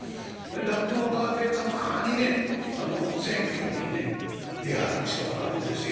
落語家でたまにね選挙にね出はる人があるんですよ。